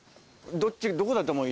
どこだと思う？